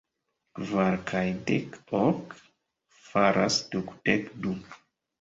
Kvar kaj dek ok faras dudek du.